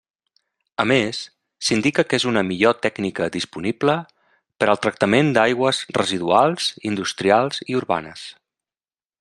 A més, s'indica que és una millor tècnica disponible per al tractament d'aigües residuals industrials i urbanes.